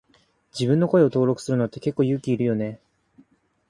自分の声を登録するのって結構勇気いるよね。